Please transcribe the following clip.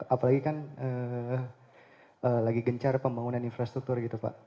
apalagi kan lagi gencar pembangunan infrastruktur gitu pak